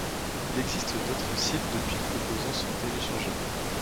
Il existe d'autres sites depuis proposant son téléchargement.